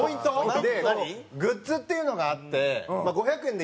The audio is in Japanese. グッズっていうのがあって。